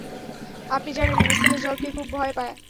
আপনি জানেন মিশেল জলকে খুব ভয় পায়।